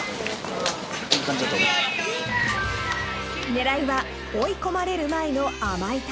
［狙いは追い込まれる前の甘い球］